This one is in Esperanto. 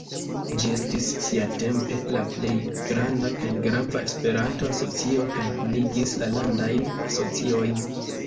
Ĝi estis siatempe la plej granda kaj grava Esperanto-asocio, kaj kunigis la Landajn Asociojn.